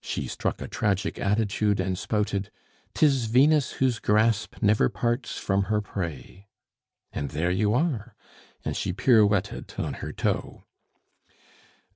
She struck a tragic attitude, and spouted: "'Tis Venus whose grasp never parts from her prey. And there you are!" and she pirouetted on her toe.